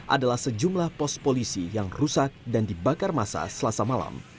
adalah sejumlah pos polisi yang rusak dan dibakar masa selasa malam